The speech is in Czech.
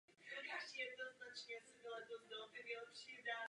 V první části kuchařky se seznámíme hlavně se základními principy programování.